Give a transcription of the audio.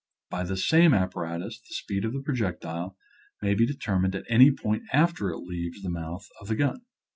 By this same apparatus the speed of the projectile may be determined at any point after it leaves the mouth of the gun.